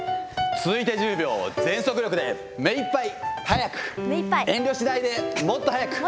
続いて１０秒、全速力でめいっぱい速く、遠慮しないでもっと速く。